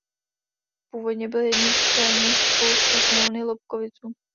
Původně byl jedním z cenných kousků knihovny Lobkoviců.